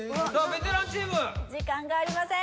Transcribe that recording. ベテランチーム時間がありません